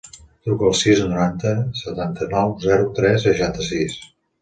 Truca al sis, noranta, setanta-nou, zero, tres, seixanta-sis.